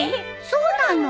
そうなの？